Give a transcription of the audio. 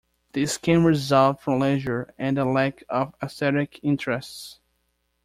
This can result from leisure and a lack of aesthetic interests.